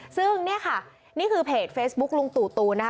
ซึ่งเนี่ยค่ะนี่คือเพจเฟซบุ๊คลุงตู่ตูนนะคะ